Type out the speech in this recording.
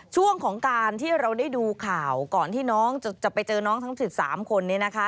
ช่วงของการที่เราได้ดูข่าวก่อนที่น้องจะไปเจอน้องทั้ง๑๓คนนี้นะคะ